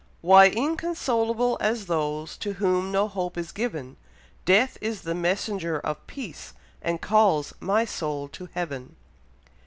Why inconsolable as those To whom no hope is given? Death is the messenger of peace, And calls 'my' soul to Heaven.'"